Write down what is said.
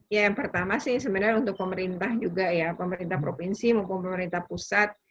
ya yang pertama sih sebenarnya untuk pemerintah juga ya pemerintah provinsi maupun pemerintah pusat